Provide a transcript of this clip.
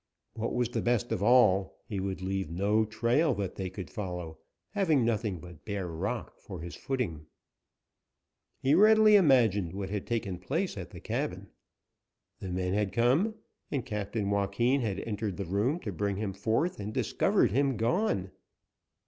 What was the best of all, he would leave no trail that they could follow, having nothing but bare rock for his footing. He readily imagined what had taken place at the cabin. The men had come, and Captain Joaquin had entered the room to bring him forth and discovered him gone.